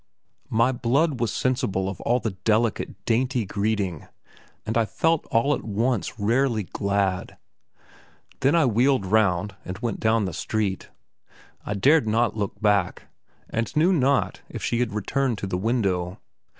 My blood was sensible of all the delicate, dainty greeting, and I felt all at once rarely glad. Then I wheeled round and went down the street. I dared not look back, and knew not if she had returned to the window.